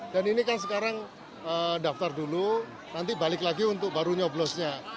ini kan sekarang daftar dulu nanti balik lagi untuk baru nyoblosnya